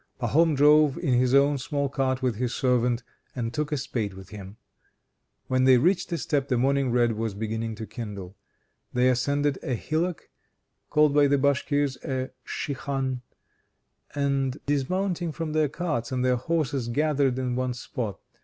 Pahom drove in his own small cart with his servant, and took a spade with him. When they reached the steppe, the morning red was beginning to kindle. They ascended a hillock (called by the Bashkirs a shikhan) and dismounting from their carts and their horses, gathered in one spot.